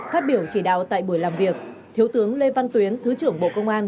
hiểu chỉ đạo tại buổi làm việc thiếu tướng lê văn tuyến thứ trưởng bộ công an